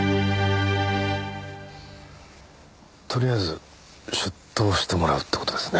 とりあえず出頭してもらうって事ですね。